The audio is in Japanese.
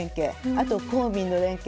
あと公民の連携。